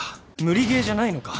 無理ゲーじゃないのか？